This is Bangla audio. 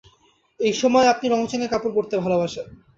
এই সময় আপনি রঙচঙে কাপড় পড়তে ভালবাসেন।